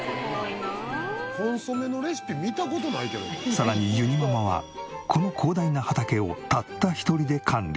さらにゆにママはこの広大な畑をたった一人で管理。